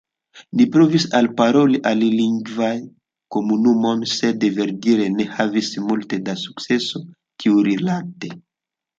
Ni provis alparoli alilingvajn komunumojn, sed verdire ne havis multe da sukceso tiurilate.